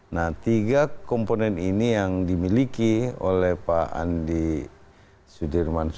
nah tiga komponen ini yang dimiliki oleh pak andi sudirman